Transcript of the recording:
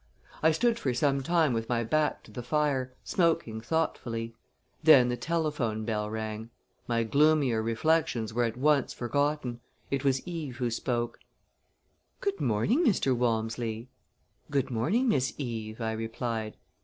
I stood for some time with my back to the fire, smoking thoughtfully. Then the telephone bell rang. My gloomier reflections were at once forgotten. It was Eve who spoke. "Good morning, Mr. Walmsley!" "Good morning, Miss Eve!" I replied.